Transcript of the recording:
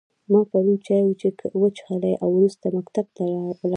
ما پرون چای وچیښلی او وروسته مکتب ته ولاړم